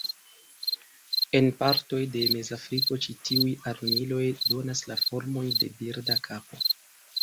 En partoj de Mezafriko ĉi tiuj armiloj donas la formon de birda kapo.